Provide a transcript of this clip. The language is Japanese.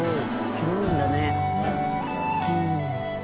広いんだね。